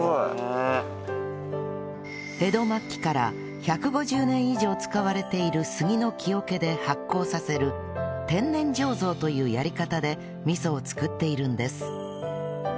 江戸末期から１５０年以上使われている杉の木桶で発酵させる天然醸造というやり方で味噌をつくっているんです